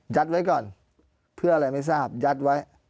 ไว้ก่อนเพื่ออะไรไม่ทราบยัดไว้